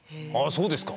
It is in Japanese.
そうですか。